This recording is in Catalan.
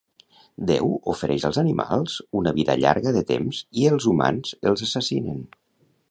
Déu ofereix als animals una vida llarga de temps i els humans els assassinen